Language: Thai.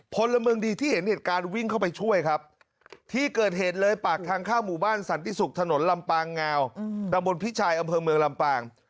พลเมืองดีที่เห็นเหตุการณ์วิ่งเข้าไปช่วยครับที่เกิดเหตุเลยปากทางเข้าหมู่บ้านสันติศุกร์ถนนลำปางงาวตำบลพิชัยอำเภอเมืองลำปาง